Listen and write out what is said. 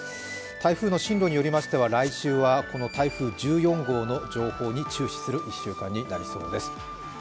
台風の進路によりましては来週はこの台風１４号の情報に注視する１週間になりそうです。